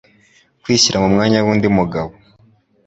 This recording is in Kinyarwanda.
Kwishyira mu mwanya w'undi mugabo